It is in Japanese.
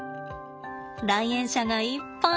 来園者がいっぱい。